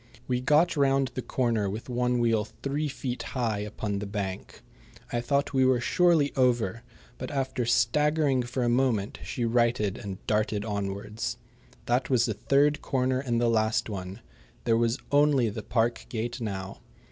We got round the corner with one wheel three feet high upon the bank. I thought we were surely over, but after staggering for a moment she righted and darted onwards. That was the third corner and the last one. There was only the park gate now.